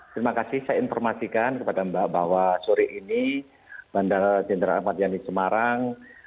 terima kasih saya informasikan kepada mbak bahwa sore ini bandara jenderal ahmad yani semarang